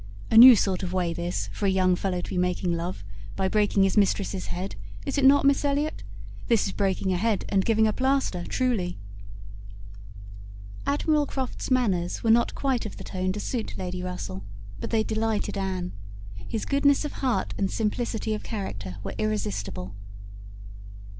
A new sort of way this, for a young fellow to be making love, by breaking his mistress's head, is not it, Miss Elliot? This is breaking a head and giving a plaster, truly!" Admiral Croft's manners were not quite of the tone to suit Lady Russell, but they delighted Anne. His goodness of heart and simplicity of character were irresistible.